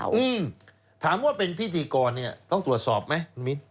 อืมถามว่าเป็นพิธีกรเนี่ยต้องตรวจสอบไหมคุณมิ้น